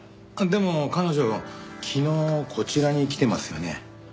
でも彼女昨日こちらに来てますよね。